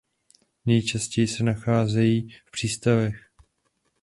Nejčastěji se nacházejí v přístavech.